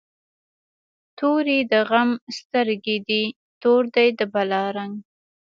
توری د غم سترګی دي، تور دی د بلا رنګ